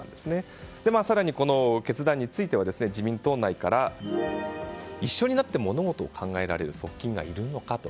更に決断について自民党内からは一緒になって物事を考えられる側近がいるのかと。